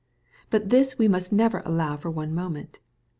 But this we must never allow for one moment.